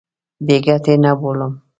بې ګټې نه بولم.